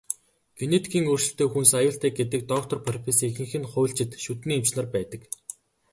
Генетикийн өөрчлөлттэй хүнс аюултай гэдэг доктор, профессорын ихэнх нь хуульчид, шүдний эмч нар байдаг.